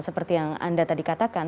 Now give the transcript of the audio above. seperti yang anda tadi katakan